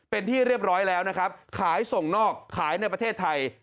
เป็นที่เรียบร้อยแล้วนะครับขายส่งนอกขายในประเทศไทย